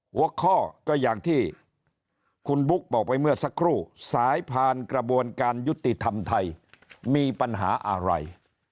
หัวข้อก็อย่างที่คุณบุ๊คบอกไปเมื่อสักครู่สายผ่านกระบวนการยุติธรรมไทยมีปัญหาอะไร